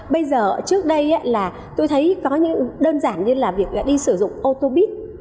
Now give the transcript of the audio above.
bây giờ trước đây là tôi thấy có những đơn giản như là việc đi sử dụng ô tô bít